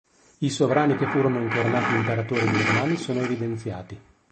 I sovrani che furono incoronati Imperatori dei Romani sono evidenziati.